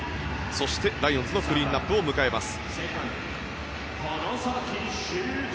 そして、ライオンズのクリーンアップを迎えます。